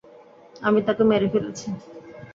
আমি তাকে মেরে ফেলেছি!